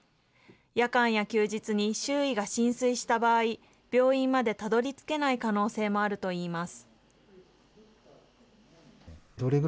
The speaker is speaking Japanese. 夜間や休日に周囲が浸水した場合、病院までたどりつけない可能性もあるといいます。